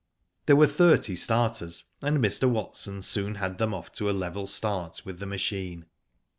There were thirty starters, and Mr. Watson soon had them off to a level start with the machine.